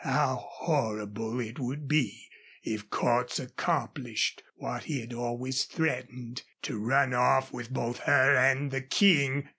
How horrible it would be if Cordts accomplished what he had always threatened to run off with both her and the King!